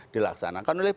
dilaksanakan oleh kpu